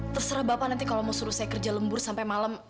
terserah bapak nanti kalau mau suruh saya kerja lembur sampai malam